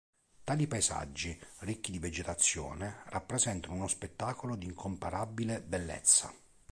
Tali Paesaggi, ricchi di vegetazione, rappresentano uno spettacolo di incomparabile bellezza.